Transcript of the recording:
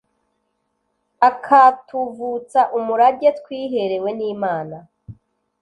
akatuvutsa umurage twiherewe n imana